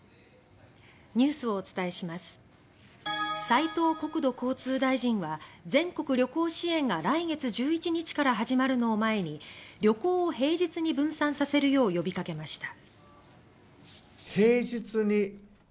斉藤国土交通大臣は全国旅行支援が来月１１日から始まるのを前に旅行を平日に分散させるよう呼びかけました。